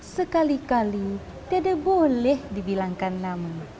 sekali kali tidak ada boleh dibilangkan nama